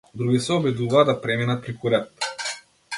Други се обидуваа да преминат преку ред.